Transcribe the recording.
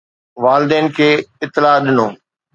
والدين کي اطلاع ڏنو